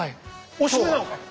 おしまいなのか！